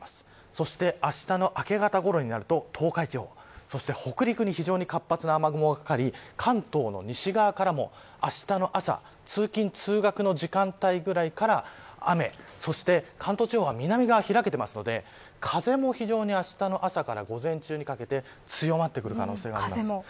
そして、あしたの明け方ごろになると東海地方、北陸に非常に活発な雨雲がかかり関東の西側からもあしたの朝、通勤、通学の時間帯ぐらいから雨、そして関東地方は南側が開けていますので、風も非常にあしたの朝から午前中にかけて強まってくる可能性があります。